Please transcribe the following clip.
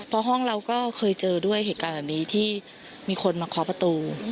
เพราะห้องเราก็เคยเจอด้วยเหตุการณ์แบบนี้ที่มีคนมาเคาะประตู